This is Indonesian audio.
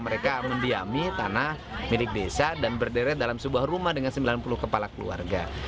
mereka mendiami tanah milik desa dan berderet dalam sebuah rumah dengan sembilan puluh kepala keluarga